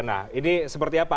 nah ini seperti apa